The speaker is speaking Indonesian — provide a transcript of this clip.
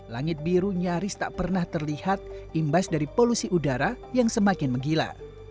langit biru nyaris tak pernah terlihat imbas dari polusi udara yang semakin menggila